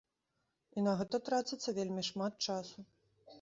І на гэта траціцца вельмі шмат часу.